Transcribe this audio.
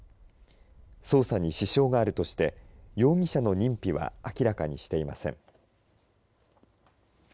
捜査に支障があるとして容疑者の認否は明らかにしていません。